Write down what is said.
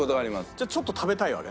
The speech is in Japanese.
じゃあちょっと食べたいわけ？